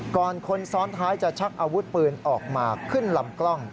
คนซ้อนท้ายจะชักอาวุธปืนออกมาขึ้นลำกล้อง